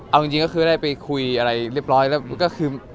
เอาจริงก็คือได้ไปคุยอะไรเรียบร้อยแล้วก็คือ